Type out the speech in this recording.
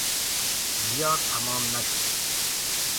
زیاد تمام نشد.